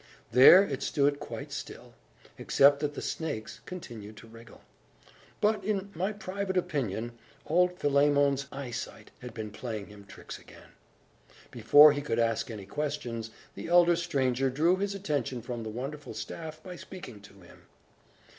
There it stood quite still, except that the snakes continued to wriggle. But, in my private opinion, old Philemon's eyesight had been playing him tricks again. Before he could ask any questions, the elder stranger drew his attention from the wonderful staff, by speaking to him.